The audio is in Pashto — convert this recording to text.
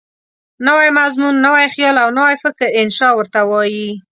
نوی مضمون، نوی خیال او نوی فکر انشأ ورته وايي.